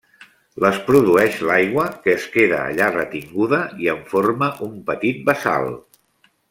Les produeix l'aigua, que es queda allà retinguda i en forma un petit bassal.